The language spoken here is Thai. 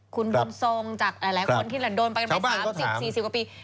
คุณบุญทรงจากหลายคนที่โดนไปกันมา๓๐๔๐กว่าปี